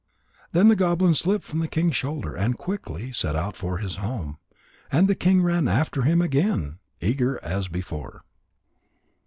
Then the goblin slipped from the king's shoulder and quickly set out for his home. And the king ran after him again, eager as before.